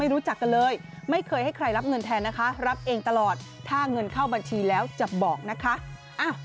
รับเองตลอดถ้าเงินเข้าบัญชีแล้วจะบอกนะคะ